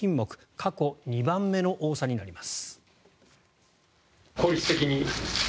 過去２番目の多さになります。